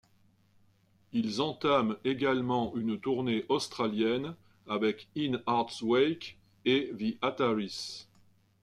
Ils entament également une tournée australienne avec In Hearts Wake et The Ataris.